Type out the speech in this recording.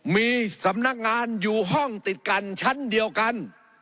มีสำนักงานอยู่ห้องติดกันชั้นเดียวกัน